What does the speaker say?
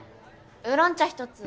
ウーロン茶１つ。